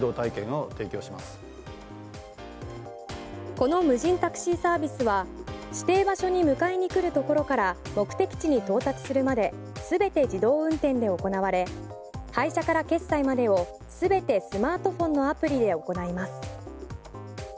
この無人タクシーサービスは指定場所に迎えに来るところから目的地に到達するまで全て自動運転で行われ配車から決済までを全てスマートフォンのアプリで行います。